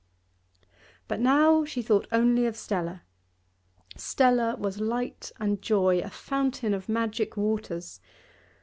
But now she thought only of Stella; Stella was light and joy, a fountain of magic waters.